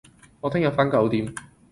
我聽日返九點